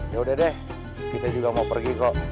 yaudah deh kita juga mau pergi kok